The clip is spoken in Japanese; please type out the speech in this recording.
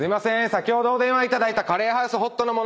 先ほどお電話いただいたカレーハウスホットの者ですけれども。